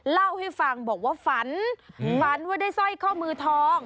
เล่าให้ฟังบอกว่าฝันฝันว่าได้สร้อยข้อมือทอง